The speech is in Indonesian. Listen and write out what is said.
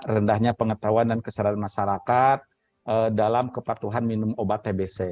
rendahnya pengetahuan dan kesadaran masyarakat dalam kepatuhan minum obat tbc